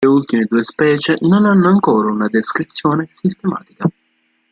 Le ultime due specie non hanno ancora una descrizione sistematica.